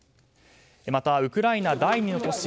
また、ウクライナ第２の都市